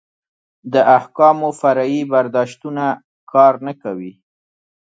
د احکامو فرعي برداشتونه کار نه کوي.